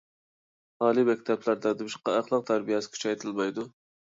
ئالىي مەكتەپلەردە نېمىشقا ئەخلاق تەربىيەسى كۈچەيتىلمەيدۇ؟